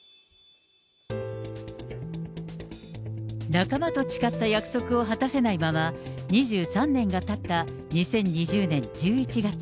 仲間と誓った約束を果たせないまま、２３年がたった２０２０年１１月。